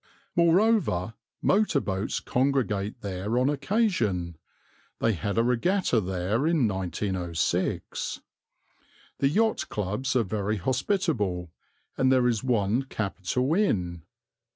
Moreover, motor boats congregate there on occasion they had a regatta there in 1906. The yacht clubs are very hospitable, and there is one capital inn.